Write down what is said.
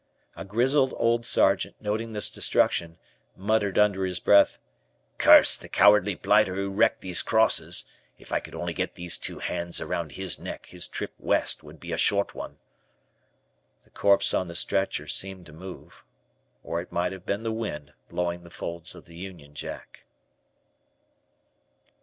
A grizzled old Sergeant, noting this destruction, muttered under his breath: "Curse the cowardly blighter who wrecked those crosses! If I could only get these two hands around his neck, his trip West would be a short one." The corpse on the stretcher seemed to move, or it might have been the wind blowing the folds of the Union Jack.